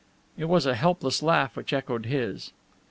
It was a helpless laugh which echoed his.